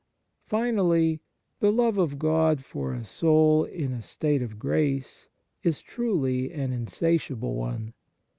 Finally, the love of God for a soul in a state of grace is truly an insatiable one.